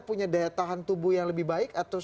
punya daya tahan tubuh yang lebih baik atau